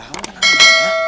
udah kamu tenang dulu ya